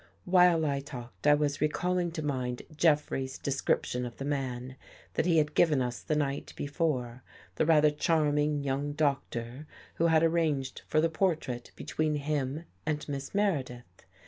While I talked, I was recalling to mind Jeffrey's description of the man, that he had given us the night before, the rather charming young doctor who had arranged for the portrait between him and Miss Meredith.